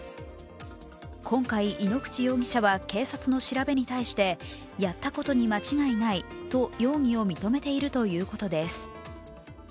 今回、井ノ口容疑者は警察の調べに対してやったことに間違いないと容疑を認めているということです。